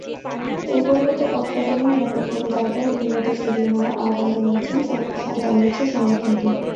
এর পরিবর্তে কক্সবাজারেই নিরাপদ কোনো জায়গায় রোহিঙ্গাদের সরিয়ে নেওয়ার আহ্বান জানিয়েছে সংগঠনটি।